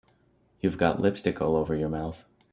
You've got lipstick all over your mouth.